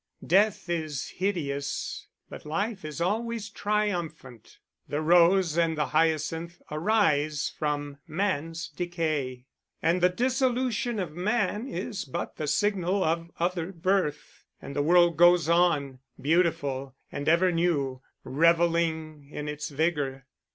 Death is hideous, but life is always triumphant; the rose and the hyacinth arise from man's decay; and the dissolution of man is but the signal of other birth: and the world goes on, beautiful and ever new, revelling in its vigour.